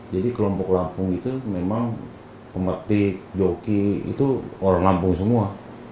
jadi kelompok lampung itu memang pemetik joki itu orang lampung semua